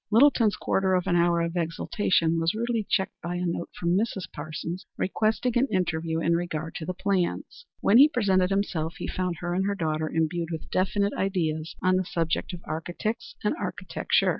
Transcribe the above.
Littleton's quarter of an hour of exaltation was rudely checked by a note from Mrs. Parsons, requesting an interview in regard to the plans. When he presented himself he found her and her daughter imbued with definite ideas on the subject of architects and architecture.